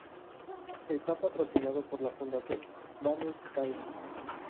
Está patrocinado por la Fundación Banús-Calvo